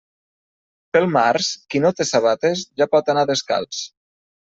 Pel març, qui no té sabates ja pot anar descalç.